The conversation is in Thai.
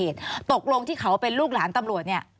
ตกลงที่เขาเป็นลูกหลานตำรวจเนี่ย